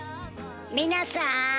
皆さん。